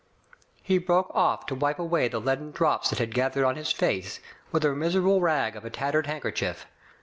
*' He broke off to wipe away the leaden drops that had gathered on his face, with a miserable rag of a tattered handkerchief.